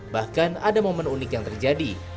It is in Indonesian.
bahkan ada momen unik yang terjadi